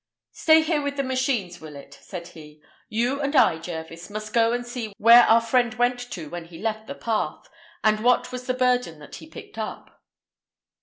"Stay here with the machines, Willett," said he. "You and I, Jervis, must go and see where our friend went to when he left the path, and what was the burden that he picked up."